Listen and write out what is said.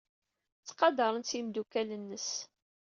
Ttqadaren-tt yimeddukal-nnes.